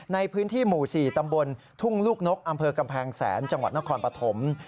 ในพื้นที่หมู่๔ตำบลทุ่งลูกนกอำเภอกำแพงแสนจังหวัดนครปฐม